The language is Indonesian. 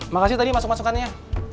makasih tadi masukan masukannya